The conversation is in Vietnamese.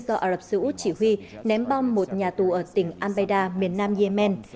do ả rập xứ út chỉ huy ném bom một nhà tù ở tỉnh al bayda miền nam yemen